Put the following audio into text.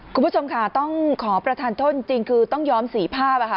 คุณผู้ชมค่ะต้องขอประทานโทษจริงคือต้องย้อมสีภาพ